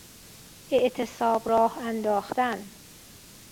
اعتصاب راه انداختن